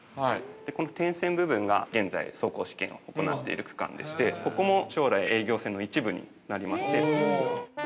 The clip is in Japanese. この点線部分が現在、走行試験を行っている区間でしてここも将来営業線の一部になりまして。